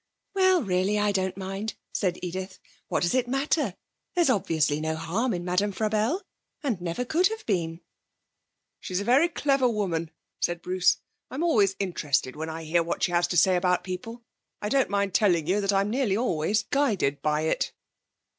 'Well, really I don't mind,' said Edith. 'What does it matter? There's obviously no harm in Madame Frabelle, and never could have been.' 'She's a very clever woman,' said Bruce. 'I'm always interested when I hear what she has to say about people. I don't mind telling you that I'm nearly always guided by it.'